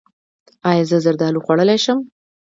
ایا زه زردالو خوړلی شم؟